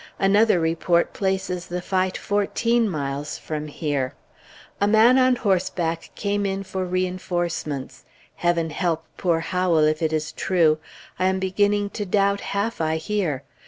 Another report places the fight fourteen miles from here. A man on horseback came in for reinforcements. Heaven help poor Howell, if it is true. I am beginning to doubt half I hear.